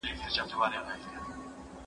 هغه څوک چي جواب ورکوي پوهه زياتوي..